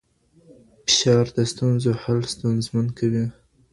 فشار د ستونزو حل ستونزمن کوي.